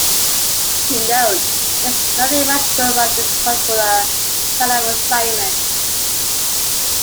To note, there is nothing magical about this particular set of assignments.